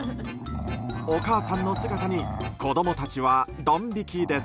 お母さんの姿に子供たちはドン引きです。